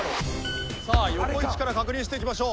さあ横位置から確認していきましょう。